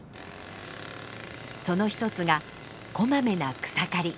その一つがこまめな草刈り。